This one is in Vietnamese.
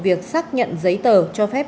việc xác nhận giấy tờ cho phép